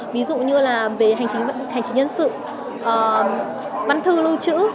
ví dụ như là về hành chính nhân sự văn thư lưu trữ